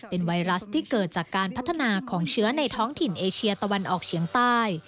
เป็นไวรัสที่เกิดจากการพัฒนาของเชื้อในท้องถิ่นเอเชียตะวันออกเฉียงใต้